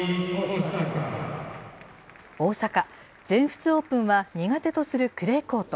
大坂、全仏オープンは苦手とするクレーコート。